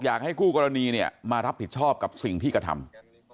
อยากให้คู่กรณีเนี่ยมารับผิดชอบกับสิ่งที่กระทำ